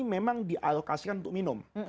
memang dialokasikan untuk minum